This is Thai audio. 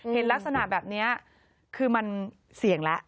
เห็นลักษณะแบบนี้คือมันเสี่ยงแล้ว